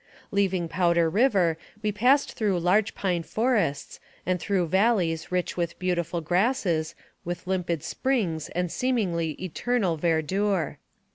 Leaving Powder River, we passed through large pine forests, and through valleys rich with beautiful grasses, with limpid springs and seemingly eternal verdure.